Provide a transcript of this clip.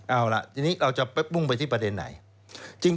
เอาล่ะทีนี้เราจะมุ่งไปที่ประเด็นไหน